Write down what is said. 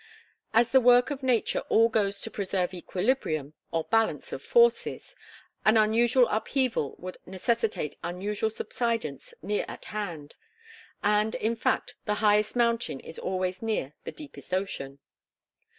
As the work of nature all goes to preserve equilibrium or balance of forces, an unusual upheaval would necessitate unusual subsidence near at hand; and in fact the highest mountain is always near the deepest ocean.